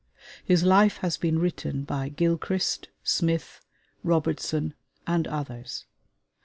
His life has been written by Gilchrist, Smith, Robertson, and others.